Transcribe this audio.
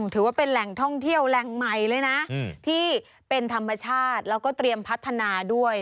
ถือว่าเป็นแหล่งท่องเที่ยวแหล่งใหม่เลยนะที่เป็นธรรมชาติแล้วก็เตรียมพัฒนาด้วย